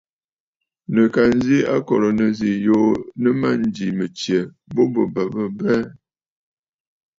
Nɨ̀ ka nzi akòrə̀ nɨzî yuu nɨ mânjì mɨ̀tsyɛ̀ bu bɨ bə̀ bɨ abɛɛ.